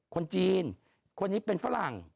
คนจีนคนนี้เป็นฝรั่ง